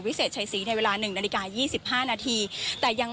วิเศษชัยศรีในเวลาหนึ่งนาฬิกายี่สิบห้านาทีแต่ยัง